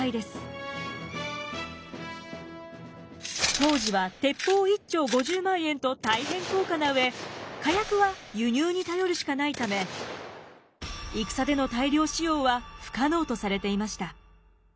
当時は鉄砲１挺５０万円と大変高価な上火薬は輸入に頼るしかないため戦での大量使用は不可能とされていました。